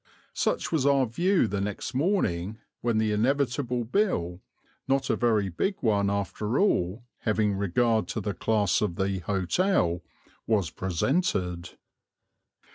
Such was our view the next morning, when the inevitable bill, not a very big one after all, having regard to the class of the hotel, was presented.